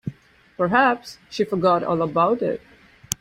Perhaps she forgot all about it.